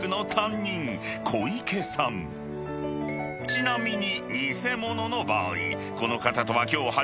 ［ちなみに］